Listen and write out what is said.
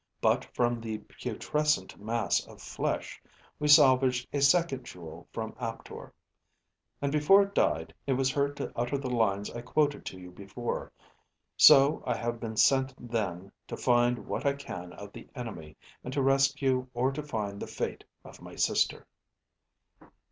But from the putrescent mass of flesh, we salvaged a second jewel from Aptor. And before it died, it was heard to utter the lines I quoted to you before. So, I have been sent then, to find what I can of the enemy, and to rescue or to find the fate of my sister."